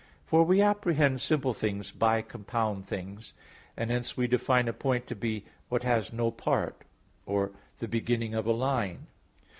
For we apprehend simple things by compound things; and hence we define a point to be, "what has no part," or "the beginning of a line."